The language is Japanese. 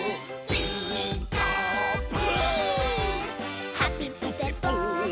「ピーカーブ！」